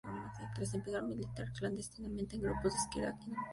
Tura empezó a militar clandestinamente en grupos de izquierda con quince años.